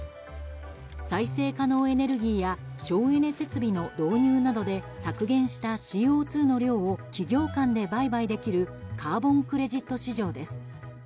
再生可能エネルギーや省エネ設備の導入などで削減したＣＯ２の量を企業間で売買できるカーボン・クレジット市場です。